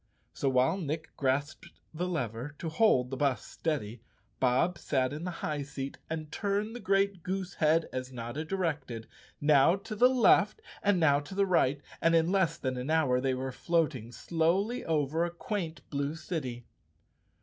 So, while Nick grasped the lever to hold the bus steady, Bob sat in the high seat and turned the great goose head as Notta directed, now to the left and now to the right, and in less than an hour, they were floating slowly over a quaint blue city.